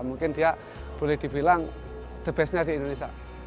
mungkin dia boleh dibilang the best nya di indonesia